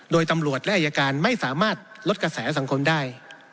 โดยตำรวจและอายการไม่สามารถลดกระแสสังคมได้